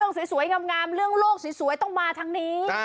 สวยงามเรื่องโลกสวยต้องมาทางนี้